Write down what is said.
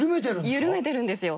緩めてるんですよ。